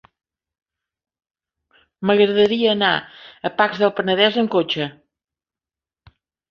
M'agradaria anar a Pacs del Penedès amb cotxe.